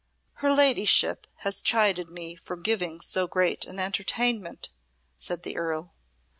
"Her ladyship has chided me for giving so great an entertainment," said the Earl.